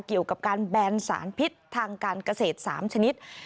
เกี่ยวกับการแบนสารพิษทางการเกษตร๓ชนิด